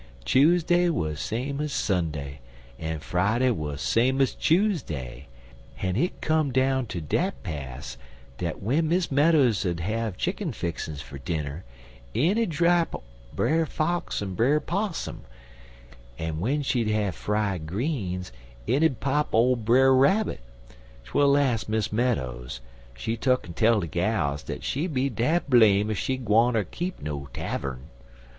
Chuseday wuz same as Sunday, en Friday wuz same as Chuseday, en hit come down ter dat pass dat w'en Miss Meadows 'ud have chicken fixin's fer dinner, in 'ud drap Brer Fox en Brer Possum, en w'en she'd have fried greens in 'ud pop ole Brer Rabbit, twel las' Miss Meadows, she tuck'n tell de gals dat she be dad blame ef she gwineter keep no tavvum.